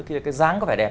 thì cái dáng có vẻ đẹp